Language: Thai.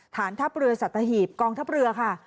ฐานทัพเรือสัตหีบกองทัพเรือค่ะ